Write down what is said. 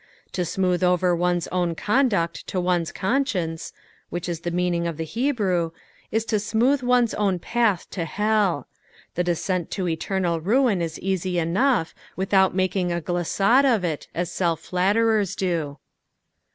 To smooth over one's own conduct (i> one's couBcieiice (which is the meaning of the Hebrew) is to smooth one's own path to hell. The descent to eternal rnin is easj enough, without making a glisHade of it, as aelf fiBtterers do.